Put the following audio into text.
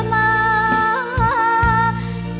อาจไม่มีวันเจอหรือจะมาประณี